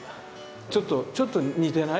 ちょっとちょっと似てない？